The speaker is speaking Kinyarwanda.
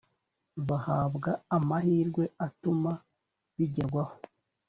bahabwa amahirwe atuma bigerwaho